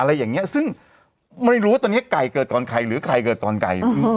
อะไรอย่างนี้ซึ่งไม่รู้ว่าตอนนี้ไก่เกิดก่อนใครหรือใครเกิดก่อนไก่